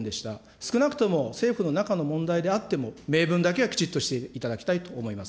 少なくとも政府の中の問題であっても、明文だけはきちっとしていただきたいと思います。